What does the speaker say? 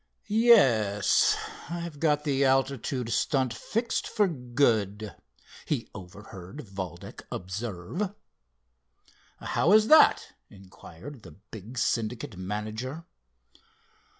"Yes, I've got the altitude stunt fixed for good," he overheard Valdec observe. "How is that," inquired the big Syndicate manager.